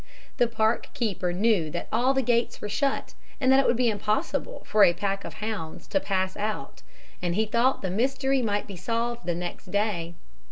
The park keeper knew that all the gates were shut, and that it would be impossible for a pack of hounds to pass out, and he thought the mystery might be solved the next day.